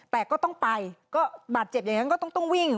แต่ก็ต้องไปก็บาดเจ็บอย่างนั้นก็ต้องวิ่ง